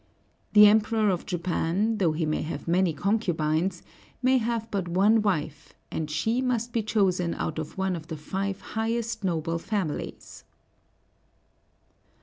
The Emperor of Japan, though he may have many concubines, may have but one wife, and she must be chosen out of one of the five highest noble families.